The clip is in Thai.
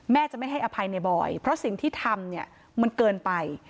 จะไม่ให้อภัยในบอยเพราะสิ่งที่ทำเนี่ยมันเกินไป